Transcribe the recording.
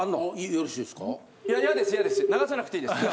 よろしいですか？